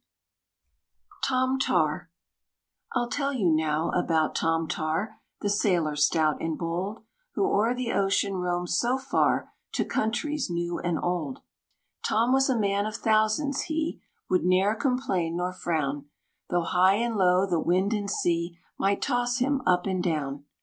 =Tom Tar= I'll tell you now about Tom Tar, The sailor stout and bold, Who o'er the ocean roamed so far, To countries new and old. Tom was a man of thousands! he Would ne'er complain nor frown, Though high and low the wind and sea Might toss him up and down.